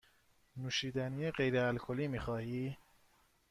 نوشیدنی غیر الکلی می خواهی؟